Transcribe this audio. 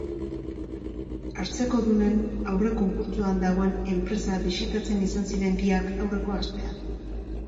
Hartzekodunen aurrekonkurtsoan dagoen enpresa bisitatzen izan ziren biak aurreko astean.